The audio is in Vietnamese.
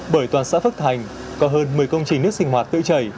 bởi toàn xã phước thành có hơn một mươi công trình nước sinh hoạt tự chảy